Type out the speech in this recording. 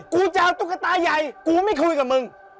กูจะเอาตุ๊กตาใหญ่กูไม่คุยกับมึง